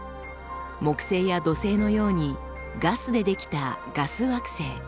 木星や土星のようにガスで出来た「ガス惑星」。